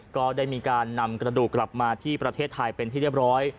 ก็ได้มีการนำกระดูกกลับมาที่ประเทศไทยเป็นที่เรียบร้อย